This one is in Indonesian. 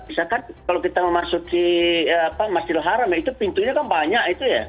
misalkan kalau kita mau masuk ke masjidul haram itu pintunya kan banyak itu ya